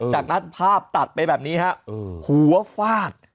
จากนั้นภาพตัดไปแบบนี้ฮะหัวฟาด